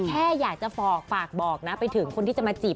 แค่อยากจะฝากบอกนะไปถึงคนที่จะมาจีบ